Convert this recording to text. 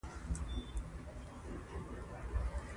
نوکران ترې وېرېدل او پرې ګران وو.